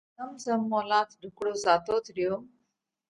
اُو زم زم مولات ڍُوڪڙو زاتوت ريو،